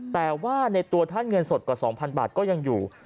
แต่ว่าในตัวท่านเงินสดกว่า๒๐๐บาทก็ยังอยู่